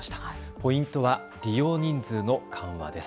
ポイントは利用人数の緩和です。